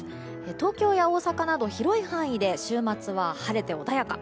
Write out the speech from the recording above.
東京や大阪など広い範囲で週末は晴れて穏やか。